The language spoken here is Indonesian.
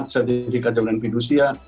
sertifikat jaminan fidusia